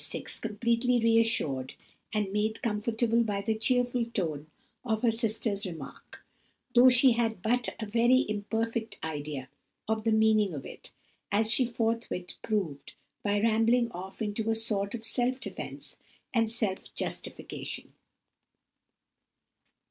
6, completely reassured and made comfortable by the cheerful tone of her sister's remark, though she had but a very imperfect idea of the meaning of it, as she forthwith proved by rambling off into a sort of self defence and self justification.